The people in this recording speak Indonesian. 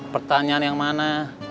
pertanyaan yang mana